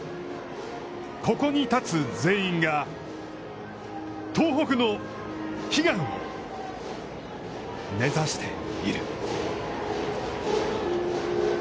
ここに立つ全員が東北の悲願を目指している。